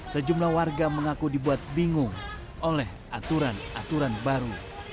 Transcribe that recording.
sejumlah warga mengaku dibuat bingung oleh aturan aturan baru